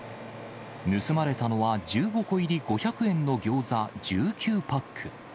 盗まれたのは１５個入り５００円のギョーザ１９パック。